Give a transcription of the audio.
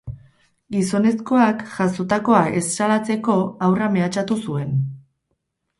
Gizonezkoak jazotakoa ez salatzeko haurra mehatxatu zuen.